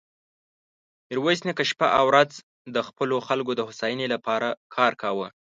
ميرويس نيکه شپه او ورځ د خپلو خلکو د هوساينې له پاره کار کاوه.